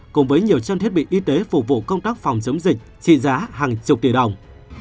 cùng với nhiều chân thiết bị y tế phục vụ công tác phòng chống dịch trị giá hàng chục tỷ đồng